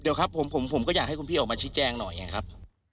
เดี๋ยวครับผมก็อยากให้คุณพี่ออกมาชี้แจงหน่อยไงครับ